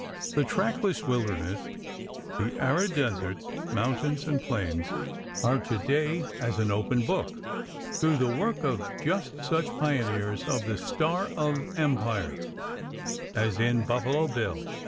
The trackless wilderness, the arid deserts, mountains, and plains are to day as an open book through the work of just such pioneers of the star of empire as is Buffalo Bill.